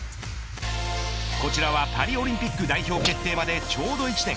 こちらはパリオリンピック代表決定までちょうど１年。